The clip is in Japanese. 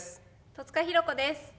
戸塚寛子です。